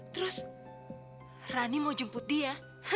terus rani mau jemput dia